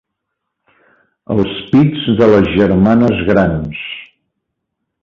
Els pits de les germanes grans.